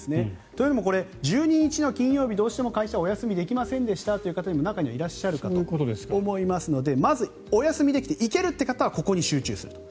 というのも１２日の金曜日どうしても会社をお休みできませんでしたという人も中にはいらっしゃるかと思いますのでまずお休みできて行けるという方はここに集中すると。